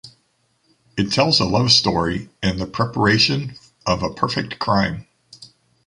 It tells a love story and the preparation of a perfect crime.